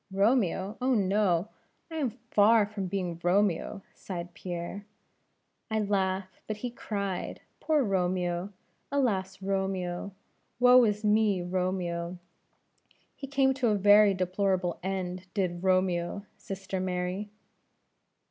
"Romeo! oh, no. I am far from being Romeo " sighed Pierre. "I laugh, but he cried; poor Romeo! alas Romeo! woe is me, Romeo! he came to a very deplorable end, did Romeo, sister Mary."